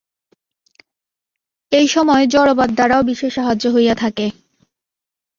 এই সময় জড়বাদ দ্বারাও বিশেষ সাহায্য হইয়া থাকে।